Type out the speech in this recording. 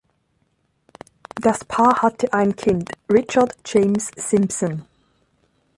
Das Paar hatte ein Kind, Richard James Simpson.